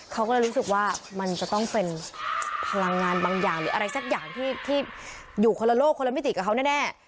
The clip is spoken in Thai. เขาก็เลยรู้สึกว่ามันจะต้องเป็นพลังงานบางอย่างหรืออะไรสักอย่างที่อยู่คนละโลกคนละมิติกับเขาแน่